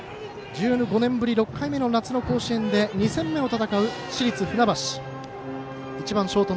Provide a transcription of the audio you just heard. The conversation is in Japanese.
１５年ぶり６回目の夏の甲子園で２戦目を戦う市立船橋高校。